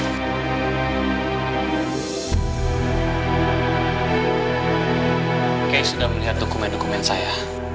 saya sudah melihat dokumen dokumen saya